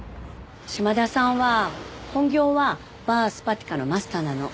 島田さんは本業はＢＡＲＳｐｈａｔｉｋａのマスターなの。